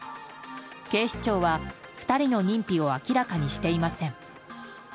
警視庁は２人の認否を明らかにしていません。